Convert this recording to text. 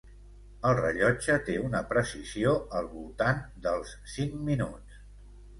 El rellotge té una precisió al voltant dels cinc minuts.